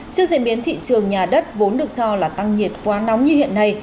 trước diễn biến thị trường nhà đất vốn được cho là tăng nhiệt quá nóng như hiện nay